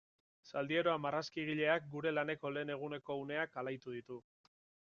Zaldieroa marrazkigileak gure laneko lehen eguneko uneak alaitu ditu.